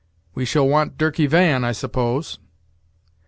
We shall want Dirky Van, I suppose?"